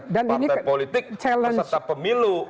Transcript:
partai politik peserta pemilu